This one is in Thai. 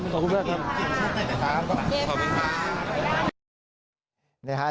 ขอบคุณแม่ครับ